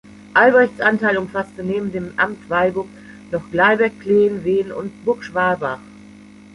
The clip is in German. Albrechts Anteil umfasste neben dem Amt Weilburg noch Gleiberg, Cleen, Wehen und Burgschwalbach.